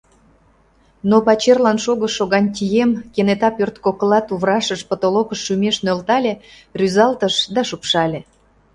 Но пачерлан шогышо Гантьем кенета пӧрткокла туврашыш потолокыш шумеш нӧлтале, рӱзалтыш да шупшале.